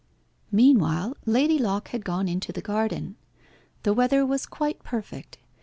Meanwhile Lady Locke had gone into the garden. The weather was quite perfect.